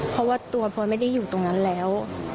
เพราะว่าตัวพลอยไม่ได้อยู่ตรงนั้นแล้ว